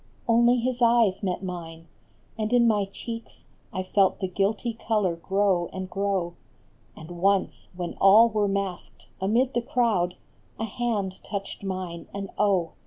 Only his eyes met mine, and in my cheeks I felt the guilty color grow and grow ; And once, when all were masqued, amid the crowd A hand touched mine, and oh.